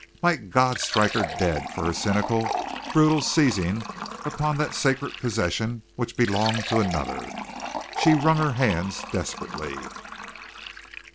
Might God strike her dead for her cynical, brutal seizing upon that sacred possession which belonged to another. She wrung her hands desperately.